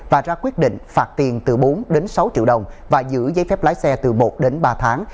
và ra quyết định phạt tiền từ bốn đến sáu triệu đồng và giữ giấy phép lái xe từ một đến ba tháng